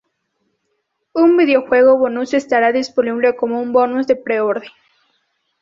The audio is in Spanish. Un videojuego bonus, estará disponible como un bonus de preorden.